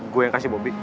gua yang kasih bobby